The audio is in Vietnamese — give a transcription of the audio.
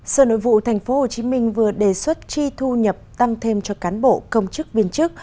sở nội vụ tp hcm vừa đề xuất chi thu nhập tăng thêm cho cán bộ công chức viên chức